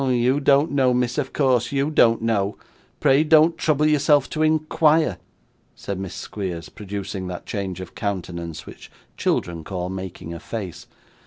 'Oh! you don't know, miss, of course you don't know. Pray don't trouble yourself to inquire,' said Miss Squeers, producing that change of countenance which children call making a face.